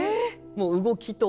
もう動きと。